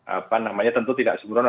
apa namanya tentu tidak sempurna